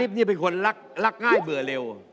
ไอ้ลิฟท์เป็นคนรักง่ายเบื่อเร็ว